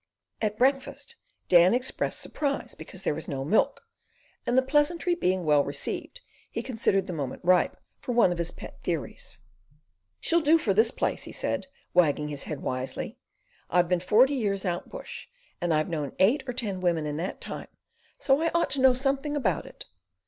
At breakfast Dan expressed surprise because there was no milk, and the pleasantry being well received, he considered the moment ripe for one of his pet theories. "She'll do for this place!" he said, wagging his head wisely. "I've been forty years out bush, and I've known eight or ten women in that time, so I ought to know something about it.